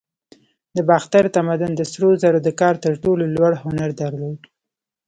د باختر تمدن د سرو زرو د کار تر ټولو لوړ هنر درلود